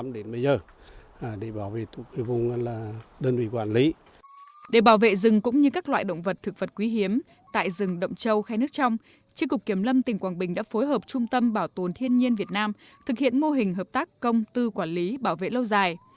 để bảo vệ rừng cũng như các loại động vật thực vật quý hiếm tại rừng đậm châu khe nước trong tri cục kiểm lâm tỉnh quảng bình đã phối hợp trung tâm bảo tồn thiên nhiên việt nam thực hiện mô hình hợp tác công tư quản lý bảo vệ lâu dài